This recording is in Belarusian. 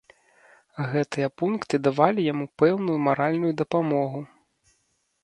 Гэтыя пункты давалі яму пэўную маральную дапамогу.